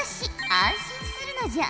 安心するのじゃ。